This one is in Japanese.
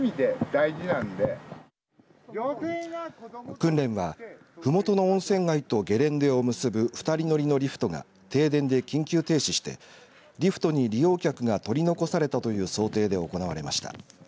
訓練は、ふもとの温泉街とゲレンデを結ぶ２人乗りのリフトが停電で緊急停止してリフトに利用客が取り残されたという想定で行われました。